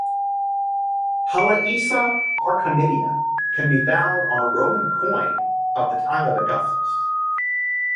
"Halaisa Archonida" can be found on a Roman coin of the time of Augustus.